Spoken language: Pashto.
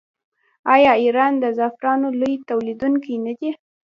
آیا ایران د زعفرانو لوی تولیدونکی نه دی؟